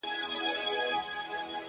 • ځكه انجوني وايي له خالو سره راوتي يــو ـ